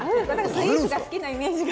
スイーツが好きなイメージが。